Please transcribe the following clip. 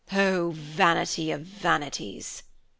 Oh vanity of vanities!"